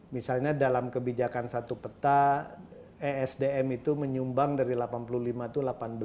misalnya dalam kebijakan satu peta esdm itu menyumbang dari delapan puluh lima itu delapan belas